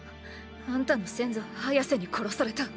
あんたの先祖ハヤセに殺された。